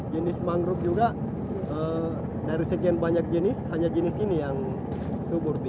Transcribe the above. jenis mangrove juga dari sekian banyak jenis hanya jenis ini yang subur